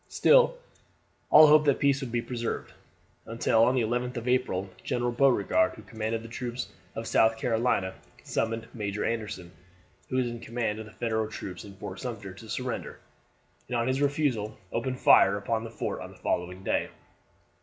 Still all hoped that peace would be preserved, until on the 11th of April General Beauregard, who commanded the troops of South Carolina, summoned Major Anderson, who was in command of the Federal troops in Fort Sumter, to surrender, and on his refusal opened fire upon the fort on the following day.